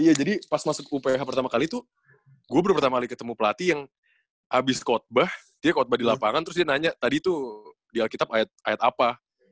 iya jadi pas masuk uph pertama kali tuh gue pertama kali ketemu pelatih yang abis khotbah dia khotbah di lapangan terus dia nanya tadi tuh di alkitab ayat apa